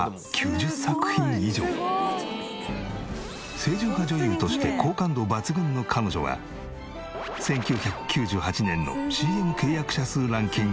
清純派女優として好感度抜群の彼女は１９９８年のＣＭ契約者数ランキング